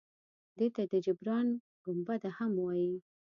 دې ته د جبرائیل ګنبده هم وایي.